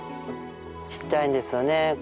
ちっちゃいんですよね。